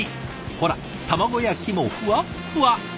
ほら卵焼きもふわっふわ！